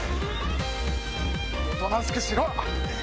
おとなしくしろ！